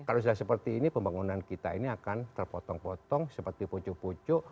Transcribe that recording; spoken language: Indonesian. kalau sudah seperti ini pembangunan kita ini akan terpotong potong seperti poco poco